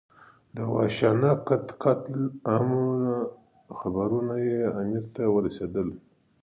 د وحشیانه قتل عامونو خبرونه یې امیر ته رسېدل.